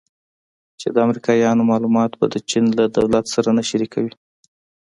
چې د امریکایانو معلومات به د چین له دولت سره نه شریکوي